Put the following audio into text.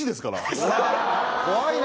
怖いな。